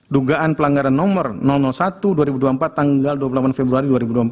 dugaan pelanggaran nomor satu dua ribu dua puluh empat tanggal dua puluh delapan februari dua ribu dua puluh